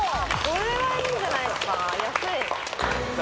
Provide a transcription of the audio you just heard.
これはいいんじゃないですか